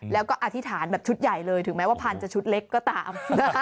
แล้วก็อธิษฐานแบบชุดใหญ่เลยถึงแม้ว่าพันธุ์จะชุดเล็กก็ตาม